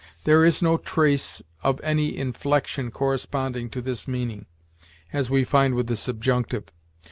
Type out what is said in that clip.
There is no trace of any inflection corresponding to this meaning, as we find with the subjunctive.